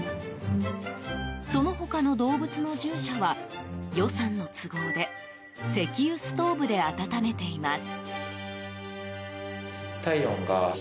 その他の動物の獣舎は予算の都合で石油ストーブで温めています。